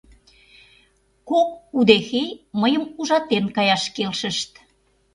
Кок удэхей мыйым ужатен каяш келшышт.